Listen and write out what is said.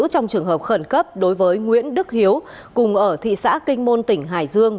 trong trường hợp khẩn cấp đối với nguyễn đức hiếu cùng ở thị xã kinh môn tỉnh hải dương